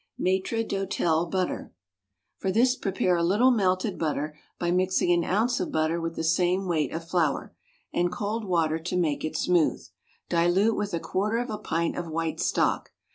=Maître d'Hôtel Butter.= For this prepare a little melted butter, by mixing an ounce of butter with the same weight of flour, and cold water to make it smooth. Dilute with a quarter of a pint of white stock.